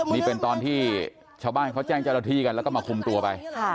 นี่เป็นตอนที่ชาวบ้านเขาแจ้งเจ้าหน้าที่กันแล้วก็มาคุมตัวไป